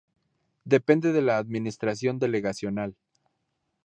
Depende de la administración delegacional.